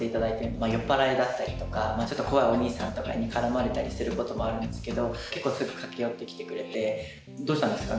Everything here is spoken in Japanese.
まあ酔っ払いだったりとかちょっと怖いおにいさんとかに絡まれたりすることもあるんですけど結構すぐ駆け寄ってきてくれて「どうしたんですか？」